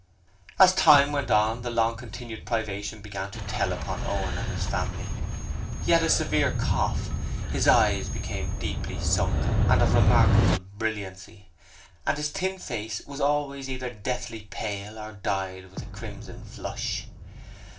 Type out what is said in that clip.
As time went on the long continued privation began to tell upon Owen and his family. He had a severe cough: his eyes became deeply sunken and of remarkable brilliancy, and his thin face was always either deathly pale or dyed with a crimson flush.